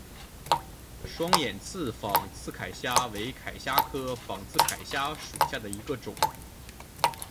双眼刺仿刺铠虾为铠甲虾科仿刺铠虾属下的一个种。